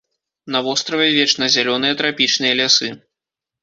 На востраве вечназялёныя трапічныя лясы.